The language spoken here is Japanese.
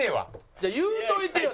じゃあ言うといてよ！